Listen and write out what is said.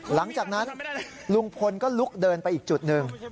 หลังจากนั้นลุงพลก็ลุกเดินไปอีกจุดหนึ่ง